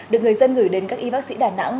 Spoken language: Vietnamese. được người dân gửi đến các y bác sĩ đà nẵng